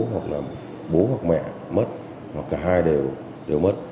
hoặc là bố hoặc mẹ mất hoặc cả hai đều đều mất